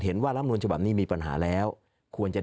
เห็นว่ารัฐธรรมนูนฉบับนี้มีปัญหาแล้ว